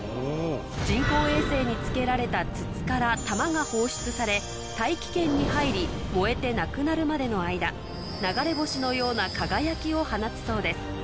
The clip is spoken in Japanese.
人工衛星に付けられた筒から玉が放出され大気圏に入り燃えてなくなるまでの間流れ星のような輝きを放つそうです